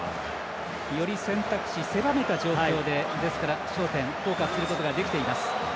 より選択肢狭めた状況で焦点、フォーカスすることができています。